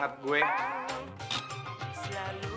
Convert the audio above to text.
udah pergi tahu